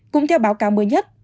cũng theo báo cáo mới nhất